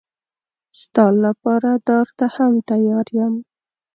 ستا لپاره دار ته هم تیار یم.